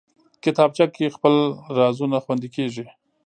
کتابچه کې خپل رازونه خوندي کېږي